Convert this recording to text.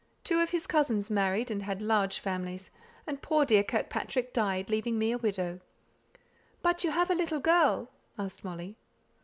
Two of his cousins married, and had large families; and poor dear Kirkpatrick died, leaving me a widow." "You have a little girl?" asked Molly.